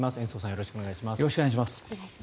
よろしくお願いします。